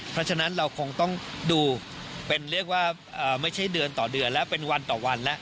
เพราะฉะนั้นเราคงต้องดูเป็นเรียกว่าไม่ใช่เดือนต่อเดือนแล้วเป็นวันต่อวันแล้ว